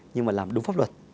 nhưng mà làm đúng pháp luật